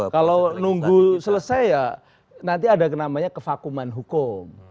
kalau nunggu selesai ya nanti ada namanya kevakuman hukum